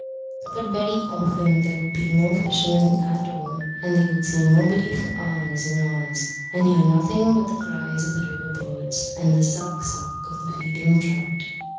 But very often there would be no fishermen at all, and they would see nobody for hours and hours, and hear nothing but the cries of the river birds and the suck, suck, of the feeding trout.